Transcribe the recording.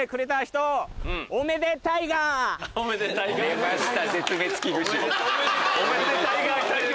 出ました！